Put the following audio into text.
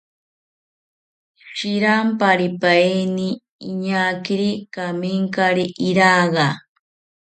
Shiramparipaeni iñaakiri kaminkari iraga